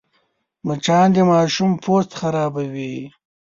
مچان د ماشوم پوست خرابوي